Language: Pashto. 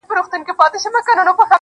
بگوت گيتا د هندوانو مذهبي کتاب.